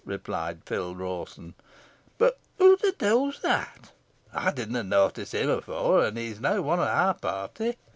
replied Phil Eawson. "Boh who the dole's that? Ey didna notice him efore, an he's neaw one o' our party."